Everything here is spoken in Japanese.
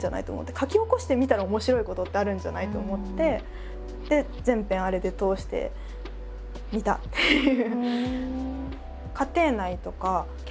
「書き起こしてみたら面白いことってあるんじゃない？」と思って全編あれで通してみたっていう。